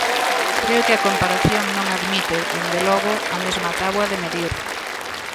Creo que a comparación non admite, dende logo, a mesma táboa de medir.